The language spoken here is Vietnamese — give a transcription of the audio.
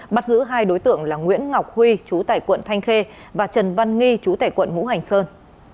bắt giữ hai đối tượng là nguyễn ngọc huy chú tại quận thanh khê và trần văn nghi chú tại quận ngũ hành sơn